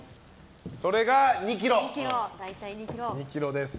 それが２ｋｇです。